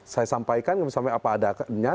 saya sampaikan sampai apa adanya